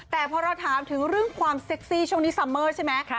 แต่พอเราถามถึงเรื่องความเซ็กซี่ช่วงนี้ซัมเมอร์ใช่ไหม